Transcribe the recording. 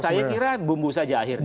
saya kira bumbu saja akhirnya